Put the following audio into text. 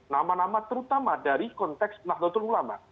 nama nama terutama dari konteks nahdlatul ulama